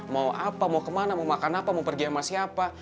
mau apa mau kemana mau makan apa mau pergi sama siapa